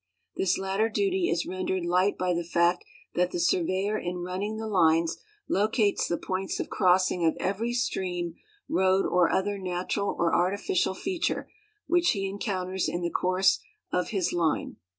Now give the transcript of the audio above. This latter duty is rendered light by the fact that the surveyor in running the lines locates the points of crossing of every stream, road, or other natural or artificial feature which he encounters in the course of his line.